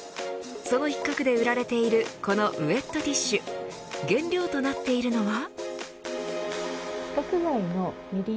その一角で売られているこのウエットティッシュ原料となっているのは。